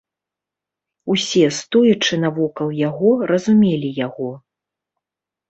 Усе, стоячы навокал яго, разумелі яго.